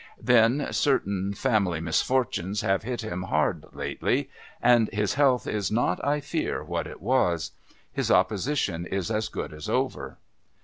Then certain, family misfortunes have hit him hard lately, and his health is not, I fear, what it was. His opposition is as good as over."